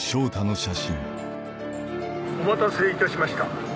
お待たせいたしました。